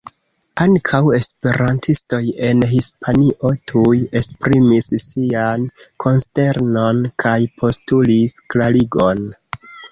Ankaŭ esperantistoj en Hispanio tuj esprimis sian konsternon kaj postulis klarigon.